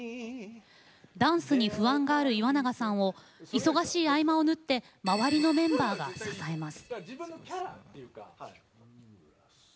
ダンスに不安がある岩永さんを忙しい合間を縫って周りのメンバーが支えます。